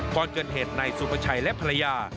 ก่อนเกิดเหตุนายสุภาชัยและภรรยา